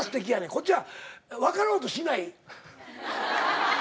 こっちは分かろうとしない。